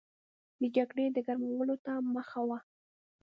د جګړې د ګرمولو ته مخه وه.